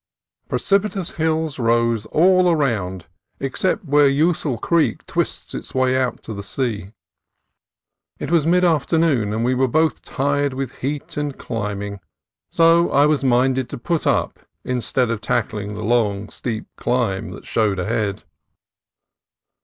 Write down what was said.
Precipitous hills rose all around, except where Usal Creek twists its way out to the sea. It was mid afternoon, and we were both tired with the heat and climbing, so I was minded to put up, instead of tackling the long, steep climb that showed ahead.